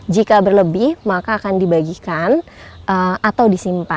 jika berlebih maka akan dibagikan atau disimpan